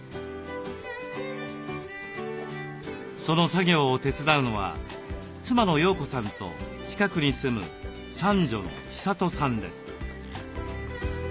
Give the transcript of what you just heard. その作業を手伝うのは妻の陽子さんと近くに住む三女の千里さんです。